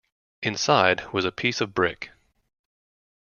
Inside was a piece of brick.